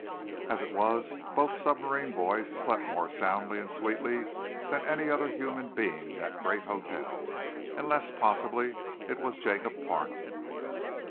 As it was, both submarine boys slept more soundly and sweetly than any other human being in that great hotel, unless, possibly, it were Jacob Farnum.